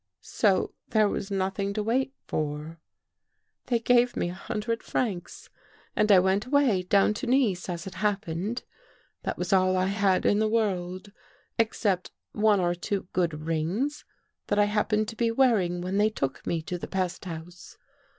So there was nothing to wait for. " They gave me a hundred francs and I went away, down to Nice, as it happened. That was all i I had in the world, except one or two good rings that I happened to be wearing when they took me to the pesthouse.